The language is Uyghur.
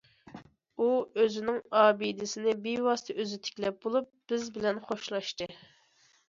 ئۇ، ئۆزىنىڭ ئابىدىسىنى بىۋاسىتە ئۆزى تىكلەپ بولۇپ، بىز بىلەن خوشلاشتى.